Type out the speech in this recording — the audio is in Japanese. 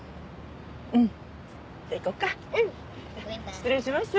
失礼します。